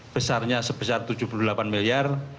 besarnya sebesar tujuh puluh delapan miliar